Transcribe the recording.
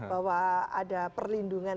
bahwa ada perlindungan